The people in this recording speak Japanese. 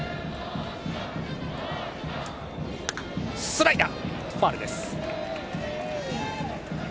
スライダー、ファウルです。